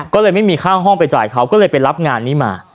ก็เลยไม่มีค่าห้องไปจ่ายเขาก็เลยไปรับงานนี้มา